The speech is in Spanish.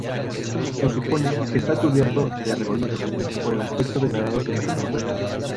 Se supone que está cubierto de regolito por el aspecto degradado que presentan.